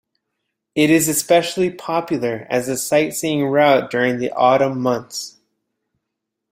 It is especially popular as a sightseeing route during the autumn months.